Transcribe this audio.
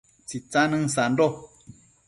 Tsitsanën sando